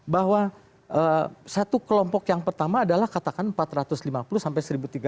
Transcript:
bahwa satu kelompok yang pertama adalah katakan empat ratus lima puluh sampai satu tiga ratus